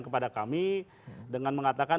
kepada kami dengan mengatakan